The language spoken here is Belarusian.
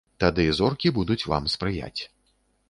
Тады зоркі будуць вам спрыяць.